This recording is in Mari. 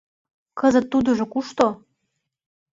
— Кызыт тудыжо кушто?